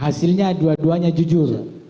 hasilnya dua duanya jujur